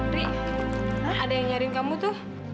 ri ada yang nyariin kamu tuh